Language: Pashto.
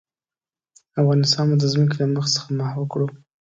افغانستان به د ځمکې له مخ څخه محوه کړو.